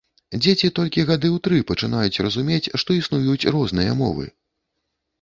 Дзеці толькі гады ў тры пачынаюць разумець, што існуюць розныя мовы.